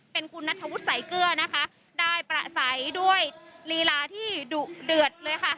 เป็นคุณนัทธวุฒิสายเกลือนะคะได้ประสัยด้วยลีลาที่ดุเดือดเลยค่ะ